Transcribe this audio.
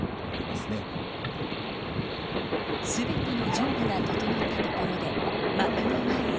全ての準備が整ったところで幕の前へ。